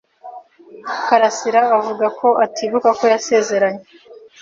karasira avuga ko atibuka ko yasezeranye.